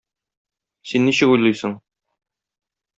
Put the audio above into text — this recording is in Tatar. Син ничек уйлыйсың?